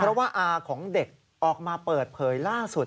เพราะว่าอาของเด็กออกมาเปิดเผยล่าสุด